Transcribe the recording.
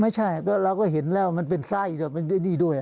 ไม่ใช่เราก็เห็นแล้วมันเป็นไส้นี่ด้วย